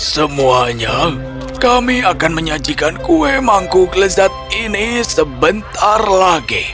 semuanya kami akan menyajikan kue mangkuk lezat ini sebentar lagi